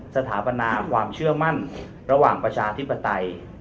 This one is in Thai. สถาปนาความเชื่อมั่นระหว่างประชาธิปไตย